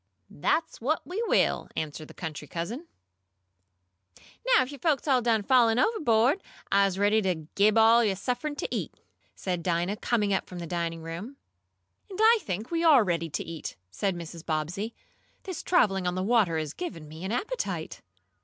"That's what we will," answered the country cousin. "Now if yo' folks am all done fallin' ovahbo'd I'se ready t' gib yo' all suffin t' eat," said Dinah, coming up from the dining room. "And I think we are ready to eat," said Mrs. Bobbsey. "This traveling on the water has given me an appetite."